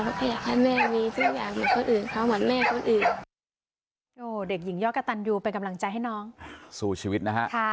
อยากให้แม่มีทุกอย่างเหมือนคนอื่นเขาเหมือนแม่คนอื่น